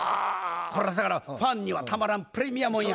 これはだからファンにはたまらんプレミアもんや。